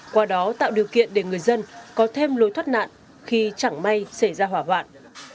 qua đó tạo điều kiện để người dân có thêm lối thoát nạn khi chẳng may xảy ra hỏa hoạn